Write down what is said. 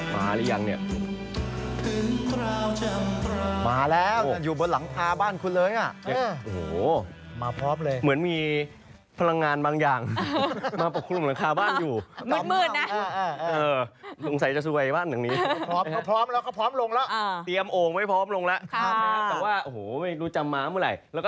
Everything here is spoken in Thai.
มันอยู่บนหลังคาบ้านคุณเลยอ่ะโอ้โหมาพร้อมเลยเหมือนมีพลังงานบางอย่างมาปลอบคลุมหลังคาบ้านอยู่มืดมืดน่ะเออเออเออ